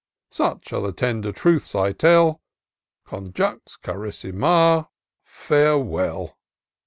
Such are the tender truths I tell ; Conjux carissima — farewell